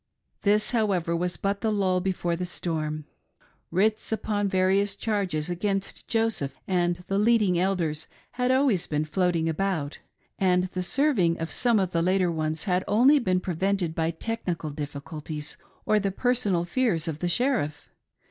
This however was but the lull before the storm. Writs upon various charges against Joseph and the leading Elders had always been floating about, and the serving of some of the later ones had only been prevented by technical difficulties or the personal fears of the Sheriff.